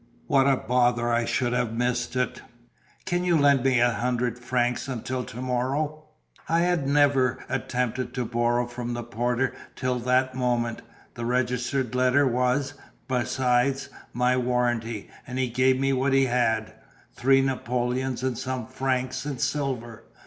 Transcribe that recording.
What a bother I should have missed it! Can you lend me a hundred francs until to morrow?" I had never attempted to borrow from the porter till that moment: the registered letter was, besides, my warranty; and he gave me what he had three napoleons and some francs in silver.